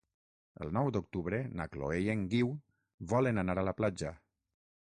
El nou d'octubre na Chloé i en Guiu volen anar a la platja.